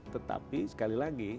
tetapi sekali lagi